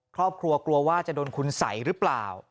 ครอบครัวกลัวว่าจะโดนคุณสัยหรือเปล่า